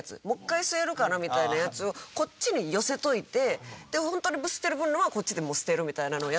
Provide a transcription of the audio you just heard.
もう１回吸えるかなみたいなやつをこっちに寄せといて本当に捨てる分のはこっちでもう捨てるみたいな。